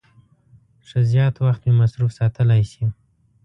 ښه زیات وخت مې مصروف ساتلای شي.